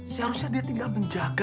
seharusnya dia tinggal menjaga